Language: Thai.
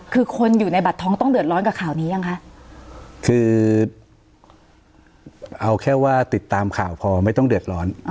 คือคนอยู่ในบัตรท้องต้องเดือดร้อนกับข่าวนี้ยังคะคือเอาแค่ว่าติดตามข่าวพอไม่ต้องเดือดร้อน